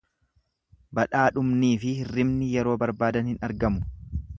Badhaadhumniifi hirribni yeroo barbaadan hin argamu.